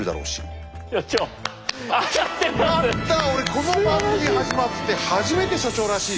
この番組始まって初めて所長らしい！